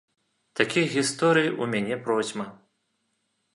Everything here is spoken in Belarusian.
Такіх гісторый у мяне процьма!